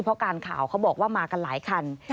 เพราะการข่าวเขาบอกว่ามากันหลายคัน